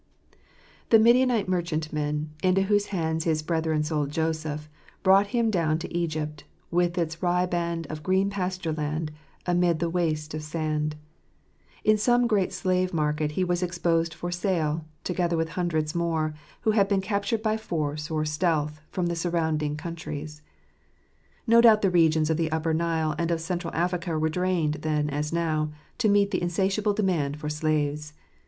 ftl HE Midianite merchantmen, into whose hands his brethren sold Joseph, brought him down to Egypt — with its riband of green pasture land amid the waste of sand. In some great slave market he was exposed for sale, together with hundreds more, who had been captured by force or stealth from the surrounding countries. No doubt the regions of the Upper Nile and of Central Africa were drained then as now, to meet the insatiable demand for slaves.